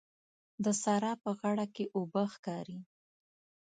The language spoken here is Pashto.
د سارا په غاړه کې اوبه ښکاري.